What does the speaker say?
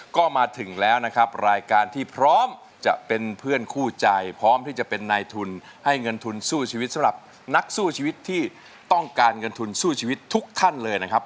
ก็มาถึงแล้วนะครับรายการที่พร้อมจะเป็นเพื่อนคู่ใจพร้อมที่จะเป็นนายทุนให้เงินทุนสู้ชีวิตสำหรับนักสู้ชีวิตที่ต้องการเงินทุนสู้ชีวิตทุกท่านเลยนะครับ